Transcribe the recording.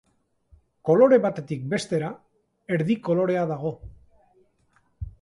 Kolore batetik bestera erdi kolorea dago.